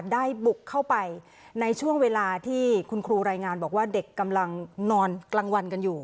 ได้บุกเข้าไปในช่วงเวลาที่คุณครูรายงานบอกว่าเด็กกำลังนอนกลางวันกันอยู่